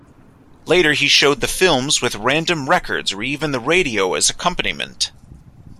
Later he showed the films with random records or even the radio as accompaniment.